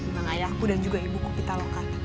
dengan ayahku dan juga ibuku pitalokat